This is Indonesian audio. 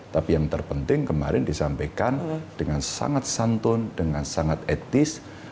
tapi yang terpenting kemarin disampaikan dengan sangat santun dengan sangat etis